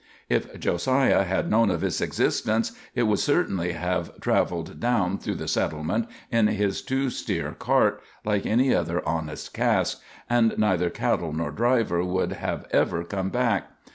If Josiah had known of its existence, it would certainly have traveled down through the settlement in his two steer cart, like any other honest cask, and neither cattle nor driver would have ever come back.